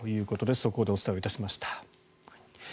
速報でお伝えいたしました。